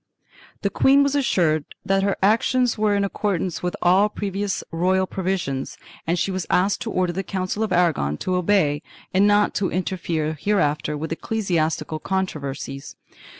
The queen was assured that her action was in accordance with all previous royal pro visions and she was asked to order the Council of Aragon to obey and not to interfere hereafter with ecclesiastical controversies.